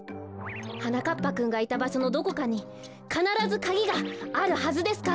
はなかっぱくんがいたばしょのどこかにかならずカギがあるはずですから！